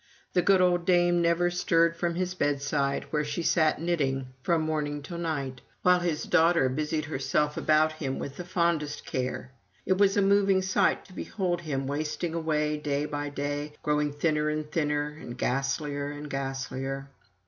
The good old dame never stirred from his bedside, where she sat knitting from morning till night; while his daughter busied herself about him with the fondest care. It was a moving sight to behold him wasting away day by day; growing thinner and thinner, and ghastlier and ghastlier.